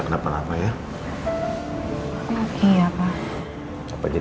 berjalan bisa giris juara